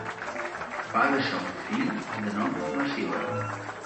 Va deixar un fill de nom Massiva.